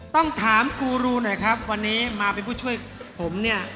ต้องถามกูรูหน่อยครับวันนี้มาเป็นผู้ช่วยผมเนี่ย